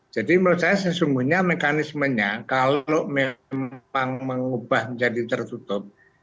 jadi menurut saya sesungguhnya mekanismenya kalau memang mengubah menjadi tertutup